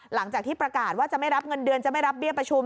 หลังจากที่ประกาศว่าจะไม่รับเงินเดือนจะไม่รับเบี้ยประชุม